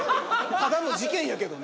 ただの事件やけどな。